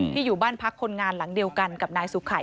อยู่บ้านพักคนงานหลังเดียวกันกับนายสุขัย